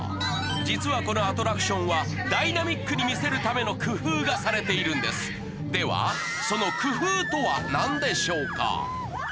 実はこのアトラクションはダイナミックに見せるための工夫がされているんですではその工夫とは何でしょうか？